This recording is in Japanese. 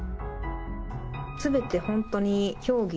すべて本当に教義。